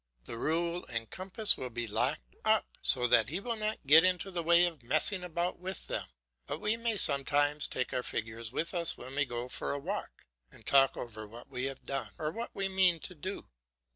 The rule and compass will be locked up, so that he will not get into the way of messing about with them, but we may sometimes take our figures with us when we go for a walk, and talk over what we have done, or what we mean to do.